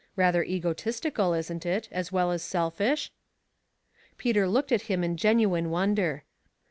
Rather egotist ical, isn't it, as well as selfish ?" Peter looked at him in genuine wonder.